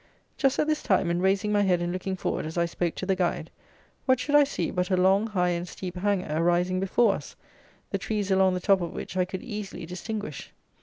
Just at this time, in raising my head and looking forward as I spoke to the guide, what should I see, but a long, high, and steep hanger arising before us, the trees along the top of which I could easily distinguish!